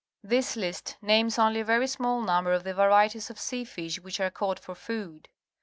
This list names only a very small number of the varieties of sea fish which are caught for food.